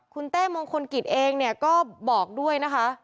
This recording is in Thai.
คุณเต้มงคลกิจเองเนี่ยก็บอกด้วยนะคะ